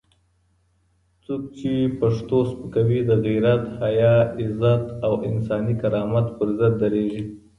څوک چې پښتو سپکوي، د غیرت، حیا، عزت او انساني کرامت پر ضد درېږي.